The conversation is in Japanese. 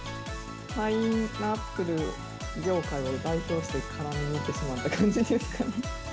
パイナップル業界を代表して、絡みにいってしまった感じですかね。